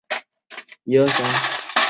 官至殿中侍御史。